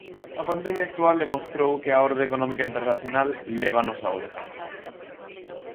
A pandemia actual demostrou que a orde económica internacional lévanos ao desastre.